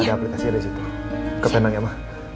ada aplikasinya di situ ke penang ya ma